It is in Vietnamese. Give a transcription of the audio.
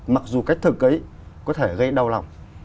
mặc dù cách thực ấy có thể gây đau lòng